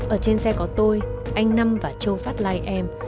ở trên xe có tôi anh nam và châu phát lai em